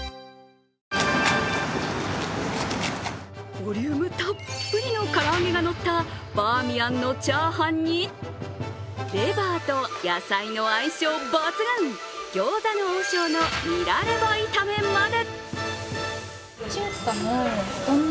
ボリュームたっぷりの唐揚げがのったバーミヤンのチャーハンに、レバーと野菜の相性抜群、餃子の王将のニラレバ炒めまで。